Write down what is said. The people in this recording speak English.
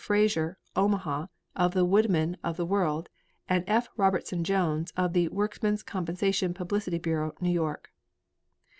Fraser, Omaha, of the Woodmen of the World, and F. Robertson Jones, of the Workmen's Compensation Publicity Bureau, New York.